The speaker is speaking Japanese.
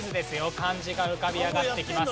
漢字が浮かび上がってきます。